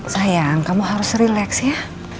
sayang kamu harus relax ya